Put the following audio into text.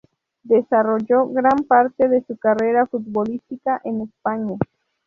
Desarrolló gran parte de su carrera futbolística en España.